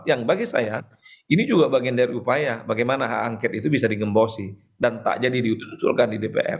yang bagi saya ini juga bagian dari upaya bagaimana hak angket itu bisa digembosi dan tak jadi diut utulkan di dpr